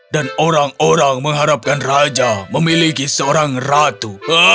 orang orang mengharapkan raja memiliki seorang ratu